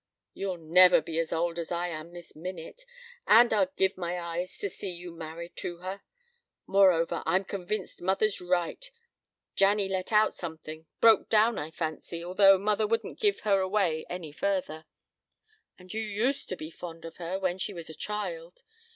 "You'll never be as old as I am this minute, and I'd give my eyes to see you married to her. Moreover, I'm convinced mother's right. Janny let out something broke down, I fancy, although mother wouldn't give her away any further. And you used to be fond of her when she was a child.